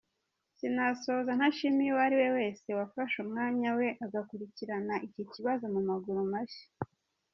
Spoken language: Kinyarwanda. sinasoza ntashimiye uwariwe wese wafashe umwanya we agakurikirana iki kibazo mumaguru mashya.